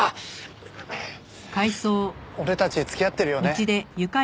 俺たち付き合ってるよね？